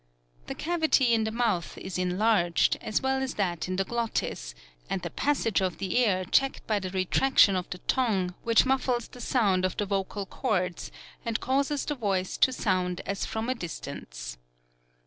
The cavity in the mouth is enlarged, as well as that in the glottis, and the passage of the air checked by the retraction of the tongue, which muffles the sound of the vocal cords and causes the voice to sound as from a distance.